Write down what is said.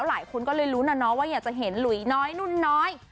หลายคนก็เลยลุ้นนะเนาะว่าอยากจะเห็นหลุยน้อยนุ่นน้อย